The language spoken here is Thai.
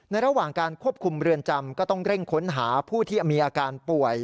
ระหว่างการควบคุมเรือนจำก็ต้องเร่งค้นหาผู้ที่มีอาการป่วย